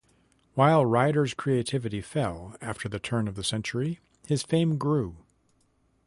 While Ryder's creativity fell after the turn of the century, his fame grew.